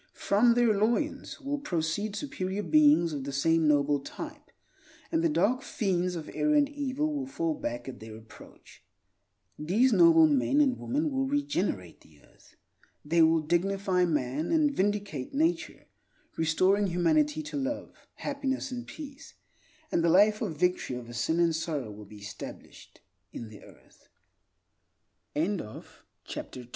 From their loins will proceed superior beings of the same noble type; and the dark fiends of error and evil will fall back at their approach. These noble men and women will regenerate the earth. They will dignify man, and vindicate nature, restoring humanity to love, happiness, and peace; and the life of victory over sin and sorrow will be established in the earth. 3. Energy and Power HOW WOND